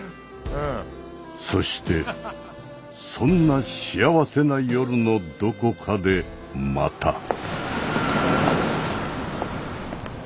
そしてそんな幸せな夜のどこかでまた。